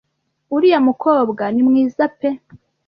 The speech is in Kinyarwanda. Uriya mukobwa ni mwiza pe!”